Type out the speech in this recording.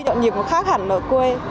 nhiều nhiệm vụ khác hẳn ở quê